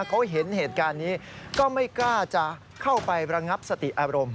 เขาเห็นเหตุการณ์นี้ก็ไม่กล้าจะเข้าไประงับสติอารมณ์